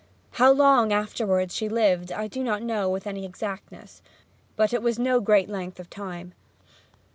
How long afterwards she lived I do not know with any exactness, but it was no great length of time.